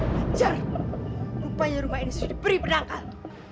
hajar rupanya rumah ini sudah diberi penangkal